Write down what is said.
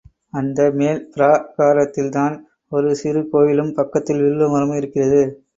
அந்த மேல் பிராகாரத்தில்தான் ஒரு சிறு கோயிலும் பக்கத்தில் வில்வமரமும் இருக்கிறது.